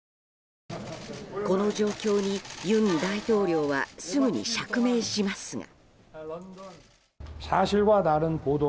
この状況に、尹大統領はすぐに釈明しますが。